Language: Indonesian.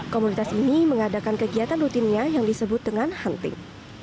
komunitas ini mengadakan kegiatan rutinnya yang disebut dengan hunting